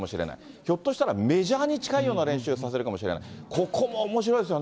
ひょっとしたらメジャーに近いような練習させるかもしれない。